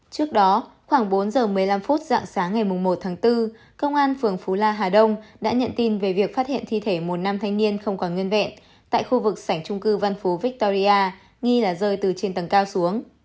trước đó khoảng bốn giờ một mươi năm phút dạng sáng ngày một tháng bốn công an phường phú la hà đông đã nhận tin về việc phát hiện thi thể một nam thanh niên không còn nguyên vẹn tại khu vực sảnh trung cư văn phú victoria nghi là rơi từ trên tầng cao xuống